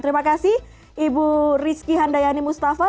terima kasih ibu rizky handayani mustafa